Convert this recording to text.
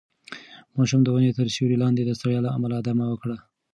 ماشوم د ونې تر سیوري لاندې د ستړیا له امله دمه وکړه.